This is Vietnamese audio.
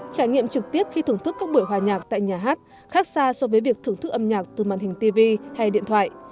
trải nghiệm trực tiếp khi thưởng thức các buổi hòa nhạc tại nhà hát khác xa so với việc thưởng thức âm nhạc từ màn hình tv hay điện thoại